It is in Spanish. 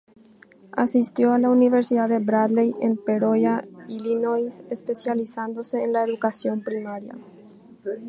Asistió a la Universidad de Bradley en Peoria, Illinois, especializándose en la educación primaria.